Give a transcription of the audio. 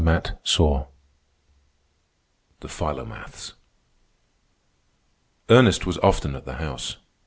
CHAPTER V. THE PHILOMATHS Ernest was often at the house.